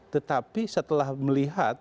tetapi setelah melihat